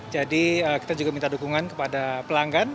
jadi kita juga minta dukungan kepada pelanggan